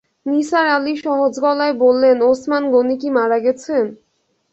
নিসার আলি সহজ গলায় বললেন, ওসমান গনি কি মারা গেছেন?